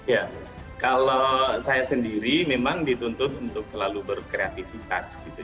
ya kalau saya sendiri memang dituntut untuk selalu berkreativitas gitu